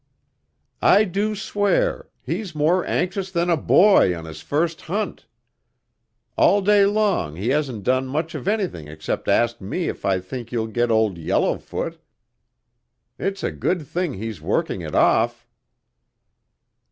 "I do swear, he's more anxious than a boy on his first hunt! All day long he hasn't done much of anything except ask me if I think you'll get Old Yellowfoot. It's a good thing he's working it off."